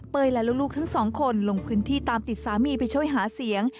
และลูกทั้งสองคนลงพื้นที่ตามติดสามีไปช่วยหาเสียง